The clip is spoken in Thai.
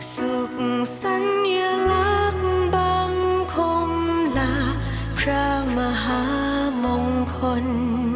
สุขสัญลักษณ์บังคมนาพระมหามงคล